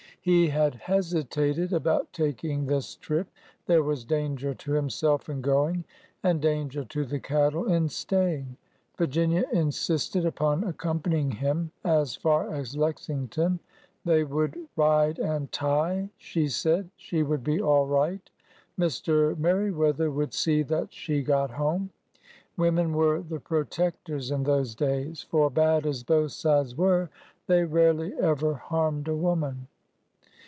He had hesitated about taking this trip. There was danger to himself in going, and danger to the cattle in staying. Virginia insisted upon accompanying him as far as Lexington. They would " ride and tie,'' she said, — she would be all right. Mr. Merriweather would see that she got home. Women were the protectors in those days ; for, bad as both sides were, they rarely ever harmed a woman.